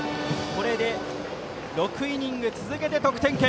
これで６イニング続けて得点圏。